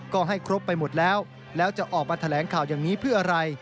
ก็ให้ครบไปหมดแล้วแล้วจะออกมาแถลงข่าวอย่างนี้เพื่ออะไร